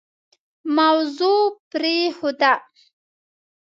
موضوع پرېښوده.